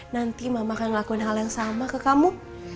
nanti mama akan ngelakuin hal yang sama ke kamu